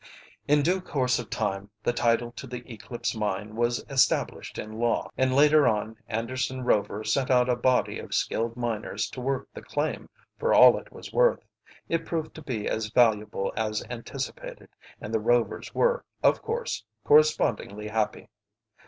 In due course of time the title to the Eclipse Mine was established in law, and later on Anderson Rover sent out a body of skilled miners to work the claim for all it was worth. It proved to be as valuable as anticipated, and the Rovers were, of course, correspondingly happy.